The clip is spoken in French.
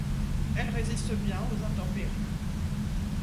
Elle résiste bien aux intempéries.